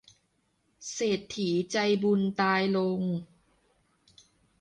เศรษฐีใจบุญตายลง